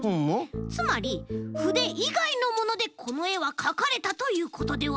つまりふでいがいのものでこのえはかかれたということでは？